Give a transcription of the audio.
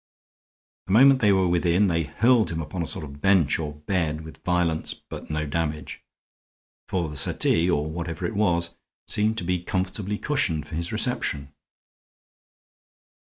The moment they were within they hurled him upon a sort of bench or bed with violence, but no damage; for the settee, or whatever it was, seemed to be comfortably cushioned for his reception.